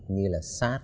như là sars